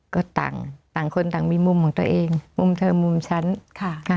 ก็ต่างต่างคนต่างมีมุมของตัวเองมุมเธอมุมฉันค่ะ